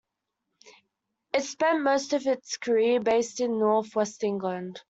It spent most of its career based in North-West England.